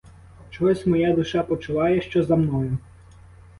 Чогось моя душа почуває, що за мною.